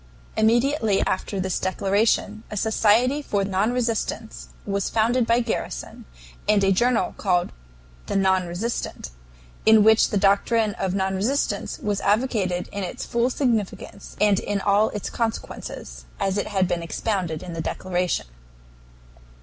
Immediately after this declaration a Society for Non resistance was founded by Garrison, and a journal called the NON RESISTANT, in which the doctrine of non resistance was advocated in its full significance and in all its consequences, as it had been expounded in the declaration.